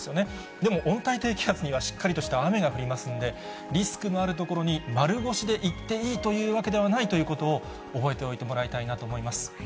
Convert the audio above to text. でも、温帯低気圧にはしっかりとした雨が降りますので、リスクがある所に丸腰で行っていいというわけではないということを、覚えておいてもらいたいなと思います。